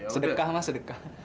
sedekah mas sedekah